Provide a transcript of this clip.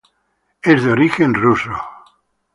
Es de origen ruso.